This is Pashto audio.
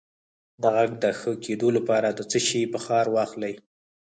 د غږ د ښه کیدو لپاره د څه شي بخار واخلئ؟